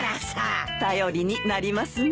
頼りになりますね。